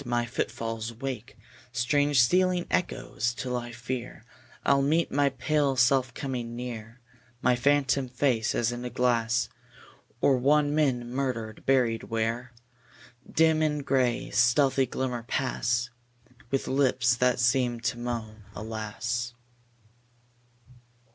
My footfalls wake Strange stealing echoes, till I fear I'll meet my pale self coming near; My phantom face as in a glass; Or one men murdered, buried where? Dim in gray, stealthy glimmer, pass With lips that seem to moan "Alas."